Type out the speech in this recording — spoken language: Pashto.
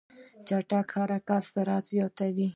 چټک حرکت سرعت زیاتوي.